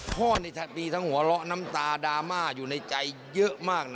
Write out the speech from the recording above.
พ่อนี่มีทั้งหัวเราะน้ำตาดราม่าอยู่ในใจเยอะมากนะ